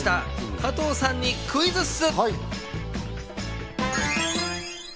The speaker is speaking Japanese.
加藤さんにクイズッス！